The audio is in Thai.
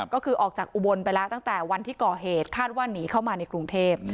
ก็คือออกจากอุบลไปแล้วตั้งแต่วันที่ก่อเหตุคาดว่าหนีเข้ามาในกรุงเทพ